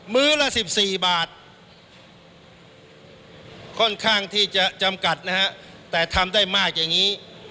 ื้อละ๑๔บาทค่อนข้างที่จะจำกัดนะฮะแต่ทำได้มากอย่างนี้